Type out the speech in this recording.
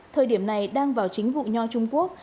thời điểm này đang vào chính vụ nho trung quốc